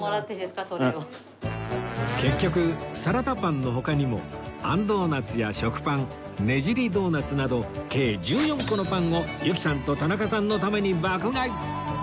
結局サラダパンの他にもあんドーナツや食パンねじりドーナツなど計１４個のパンを由紀さんと田中さんのために爆買い！